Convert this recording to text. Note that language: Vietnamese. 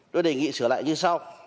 tôi đề nghị sửa lại như sau